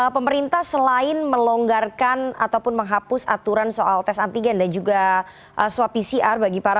pemerintah selain melonggarkan ataupun menghapus aturan soal tes antigen dan juga swab pcr bagi para